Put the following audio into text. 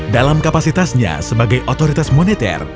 dalam kapasitasnya sebagai otoritas moneter